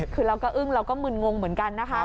คือเราก็อึ้งเราก็มึนงงเหมือนกันนะคะ